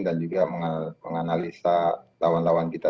dan juga menganalisa lawan lawan kita